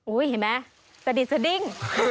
อู๋เห็นไหมสดิบสดิ้ง